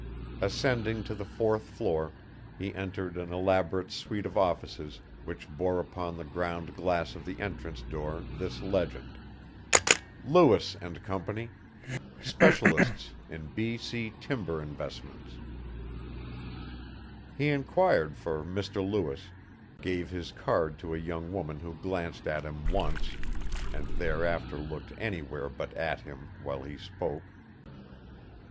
Ascending to the fourth floor, he entered an elaborate suite of offices which bore upon the ground glass of the entrance door this legend: LEWIS AND COMPANY SPECIALISTS IN B.C. TIMBER. INVESTMENTS He inquired for Mr. Lewis, gave his card to a young woman who glanced at him once and thereafter looked anywhere but at him while he spoke.